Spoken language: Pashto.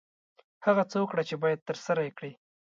هغه څه وکړه چې باید ترسره یې کړې.